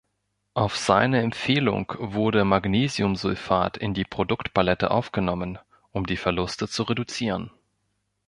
Auf seine Empfehlung wurde Magnesiumsulfat in die Produktpalette aufgenommen, um die Verluste zu reduzieren.